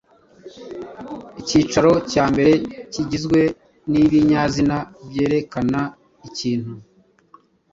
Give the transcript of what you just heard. Ikiciro cya mbere Kigizwe n’ibinyazina byerekana ikintu